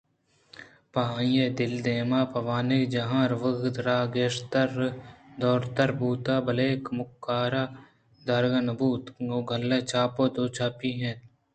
پہ آئی ءِ دل ءَ دیم پہ وانگجاہ ءَ روگ ءِ راہ گیشتر دور تر بوت بلئے کمکار دارگ نہ بوت ءُگل ءَ چاپ ءُدوچاپی اِت اَنت